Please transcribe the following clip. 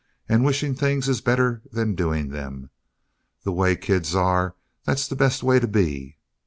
And wishing things is better than doing them. The way kids are, that's the best way to be.